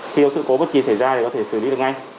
khi có sự cố bất kỳ xảy ra thì có thể xử lý được ngay